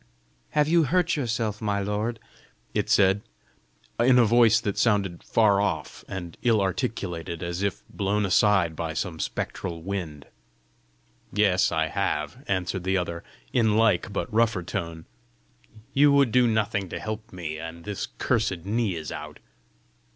"Have you hurt yourself, my lord?" it said, in a voice that sounded far off, and ill articulated as if blown aside by some spectral wind. "Yes, I have," answered the other, in like but rougher tone. "You would do nothing to help me, and this cursed knee is out!"